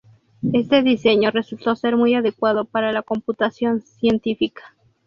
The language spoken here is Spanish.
Este diseño resultó ser muy adecuado para la computación científica.